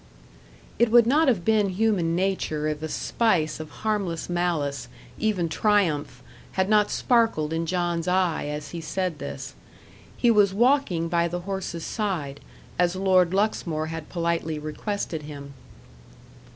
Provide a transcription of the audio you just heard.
It would not have been human nature if a spice of harmless malice even triumph had not sparkled in John's eye, as he said this. He was walking by the horse's side, as Lord Luxmore had politely requested him.